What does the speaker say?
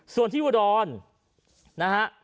ส่วนที่อุดรนะฮะ